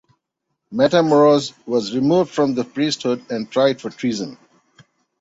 Matamoros was removed from the priesthood and tried for treason.